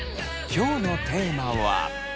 今日のテーマは。